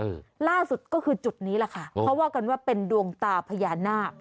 ล่าสุดก็คือจุดนี้แหละค่ะเขาว่ากันว่าเป็นดวงตาพญานาค